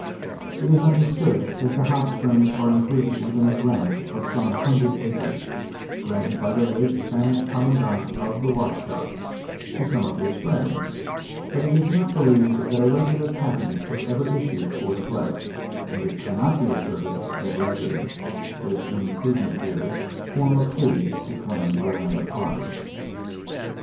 It is understood that the hot springs are included within a grant of some hundred acres; granted by the late Spanish commandant of the Washita, to some of his friends, but it is not believed that a regular patent was ever issued for the place: and it cannot be asserted that residence, with im provement here, form a plea to claim the land upon.